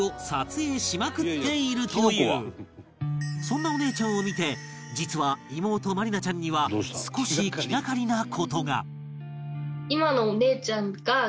そんなお姉ちゃんを見て実は妹真理奈ちゃんには少し気がかりな事が